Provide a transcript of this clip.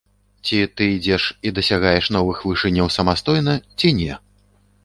Ты ці ідзеш і дасягаеш новых вышыняў самастойна, ці не.